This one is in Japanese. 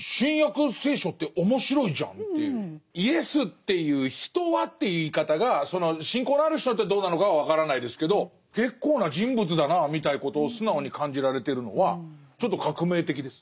「イエスっていう人は」という言い方がその信仰のある人にとってどうなのかは分からないですけど結構な人物だなみたいなことを素直に感じられてるのはちょっと革命的です。